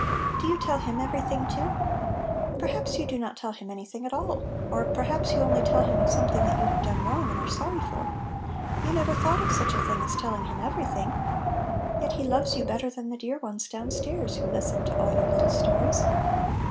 Do you tell Him every thing too ? Perhaps you do not tell Him any thing at all; or perhaps you only tell Him of some tliing that you have done wrong, and are sorry for; you never thought of such a thing as telling Him every thing! Yet He loves you better than the dear ones down stairs, who listened to aU your little stories.